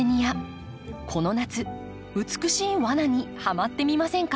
この夏美しい罠にハマってみませんか？